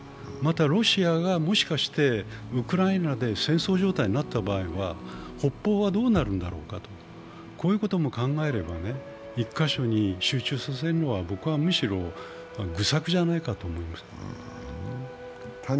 またロシアがもしかしてウクライナで戦争状態になった場合は北方はどうなるんだろうか、こういうことも考えれば、１カ所に集中させるのはむしろ愚策じゃないかと思います。